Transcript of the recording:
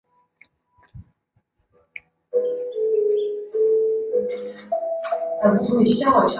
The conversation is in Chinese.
坎普博尼图是巴西巴拉那州的一个市镇。